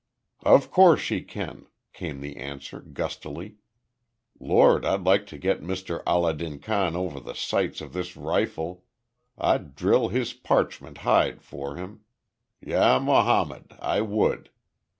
"Of course she can," came the answer, gustily. "Lord, I'd like to get Mr Allah din Khan over the sights of this rifle. I'd drill his parchment hide for him. Ya Mahomed! I would."